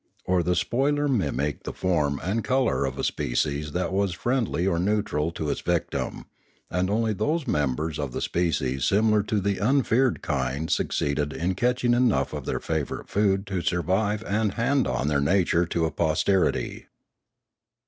Or the spoiler mimicked the form and colour of a species that was friendly or neutral to its victim, and only those members of the species similar to the unfeared kind succeeded in catching enough of their favourite food to survive and hand on their nature to a posterity.